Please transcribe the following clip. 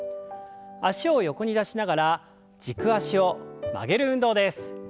脚を横に出しながら軸足を曲げる運動です。